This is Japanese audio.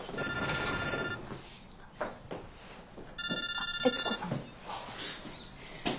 あっ悦子さん。